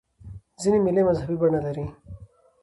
ځیني مېلې مذهبي بڼه لري.